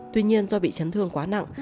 tuy nhiên do bị chấn thương quá nặng